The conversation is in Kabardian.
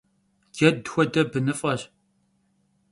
Ced xuede, bınıf'eş.